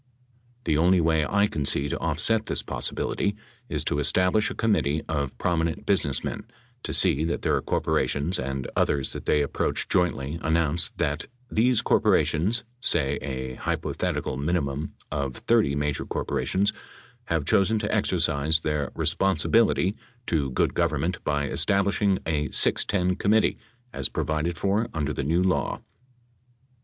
The only way I can see to offset this pos sibility is to establish a committee of prominent business 552 men to see that their corporations and others that they ap proach jointly announce that "these corporations (say, a hypothetical minimum of 30 major corporations) have chosen to exercise their 'responsibility' to good government by estab lishing a 610 committee as provided for under the new law."